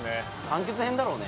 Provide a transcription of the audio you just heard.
完結編だろうね。